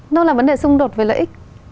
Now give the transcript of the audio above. nó là vấn đề xung đột với lợi ích